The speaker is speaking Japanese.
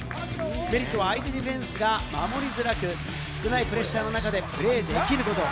メリットは相手ディフェンスが守りづらく、少ないプレッシャーの中でプレーできること。